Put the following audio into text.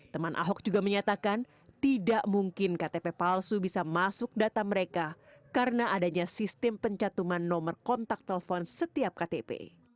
teman ahok juga menyatakan tidak mungkin ktp palsu bisa masuk data mereka karena adanya sistem pencatuman nomor kontak telepon setiap ktp